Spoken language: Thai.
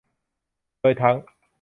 โดยทั้ง